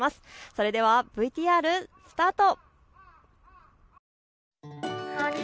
それではＶＴＲスタート！